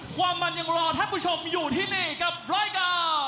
ความมันยังรอท่านผู้ชมอยู่ที่นี่กับรายการ